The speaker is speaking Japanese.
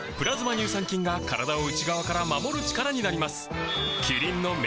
乳酸菌が体を内側から守る力になります